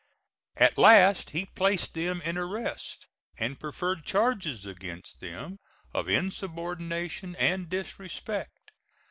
At last he placed them in arrest, and preferred charges against them of insubordination and disrespect.